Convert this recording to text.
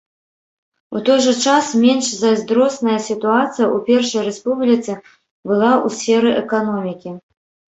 У той жа час, менш зайздросная сітуацыя ў першай рэспубліцы была ў сферы эканомікі.